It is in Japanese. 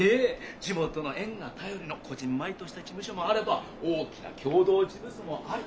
地元の縁が頼りのこぢんまりとした事務所もあれば大きな共同事務所もあり。